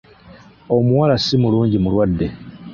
Omuwala si mulungi mulwadde!